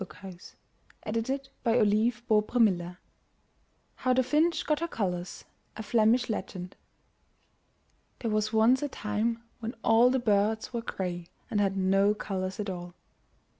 k r^ [t 21 M Y BOOK HOUSE HOW THE FINCH GOT HER COLORS A Flemish Legend There was once a time when all the birds were gray and had no colors at all.